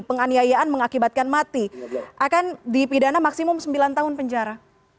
penganiayaan mengakibatkan mati akan dipidana maksimum sembilan tahun penjara